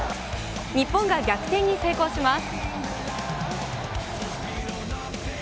日本が逆転に成功します。